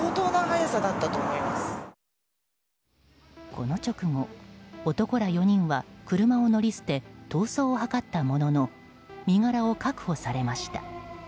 この直後男ら４人は車を乗り捨て逃走を図ったものの身柄を確保されました。